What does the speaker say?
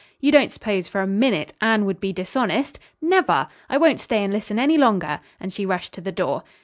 "You don't suppose, for a minute, Anne would be dishonest? Never! I won't stay and listen any longer," and she rushed to the door.